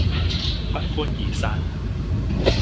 不歡而散